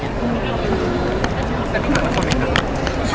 สำคัญมากค่ะ